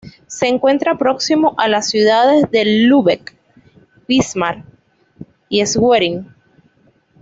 Se encuentra próximo a las ciudades de Lübeck, Wismar y Schwerin.